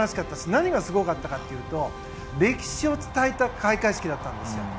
何がすごかったかというと歴史を伝えた開会式だったんです。